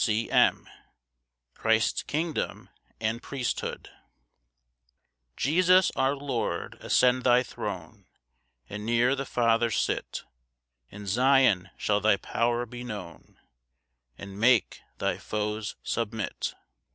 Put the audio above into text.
C. M. Christ's kingdom and priesthood. 1 Jesus, our Lord, ascend thy throne, And near the Father sit; In Zion shall thy power be known, And make thy foes submit.